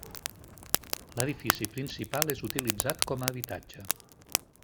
L'edifici principal és utilitzat com a habitatge.